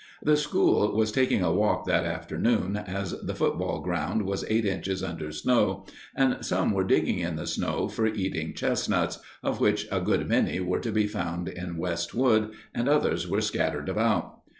The school was taking a walk that afternoon, as the football ground was eight inches under snow; and some were digging in the snow for eating chestnuts, of which a good many were to be found in West Wood, and others were scattered about.